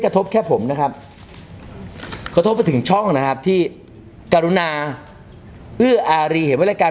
กระทบแค่ผมนะครับกระทบไปถึงช่องนะครับที่กรุณาอื้ออารีเห็นไว้รายการ